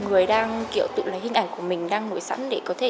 bọn mình cũng lên mạng để tìm về những trang mạng như thế